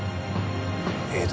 江戸？